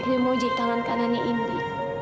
dia mau jadi tangan kanannya indy